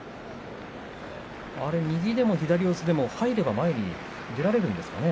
右でも左四つでも入れば前に出られるんですかね。